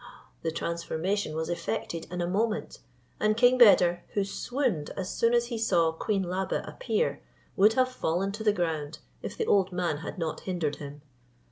The transformation was effected in a moment, and king Beder, who swooned as soon as he saw Queen Labe appear, would have fallen to the ground, if the old man had not hindered him.